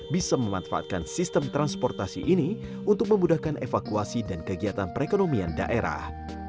bisa memanfaatkan sistem transportasi ini untuk memudahkan evakuasi dan kegiatan perekonomian daerah